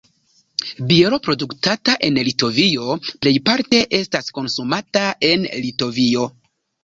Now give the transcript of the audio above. Biero produktata en Litovio plejparte estas konsumata en Litovio.